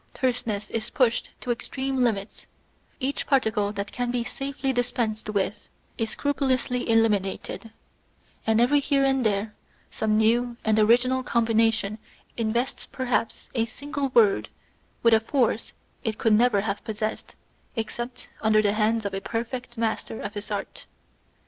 Terseness is pushed to its extreme limits ; each particle that can be safely dispensed with is scru pulously eliminated ; and every here and there some new and original combination invests perhaps a single word with a force it could never have possessed except under the hands of a perfect master of his art.